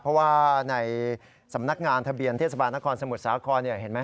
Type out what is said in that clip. เพราะว่าในสำนักงานทะเบียนเทศบาลนครสมุทรสาครเห็นไหม